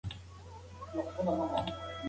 نظري پوهه د عملي کارونو اساس جوړوي.